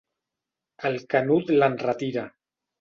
El Canut l'enretira.